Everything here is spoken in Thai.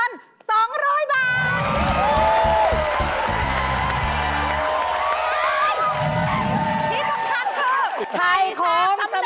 ที่สำคัญคือให้ของสำเร็จ